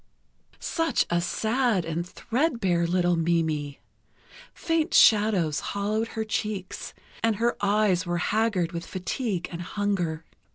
Such a sad and thread bare little Mimi ... faint shadows hollowed her cheeks, and her eyes were haggard with fatigue and hunger.